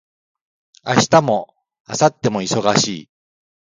明日も明後日も忙しい